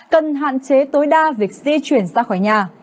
cần hạn chế tối đa việc di chuyển ra khỏi nhà